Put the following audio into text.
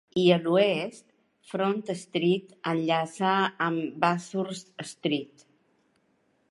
I a l'oest, Front Street enllaça amb Bathurst Street.